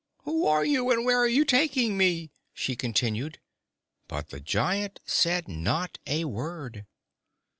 "Who are you, and where are you taking me?" she continued; but the giant said not a word.